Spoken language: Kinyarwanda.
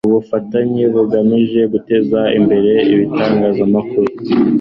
Ubufatanye bugamije guteza imbere itangazamakuru